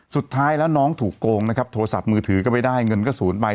สุดท้ายแล้วน้องถูกโกงนะครับโทรศัพท์มือถือก็ไม่ได้เงินก็๐ใบ